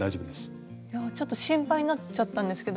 ちょっと心配になっちゃったんですけど。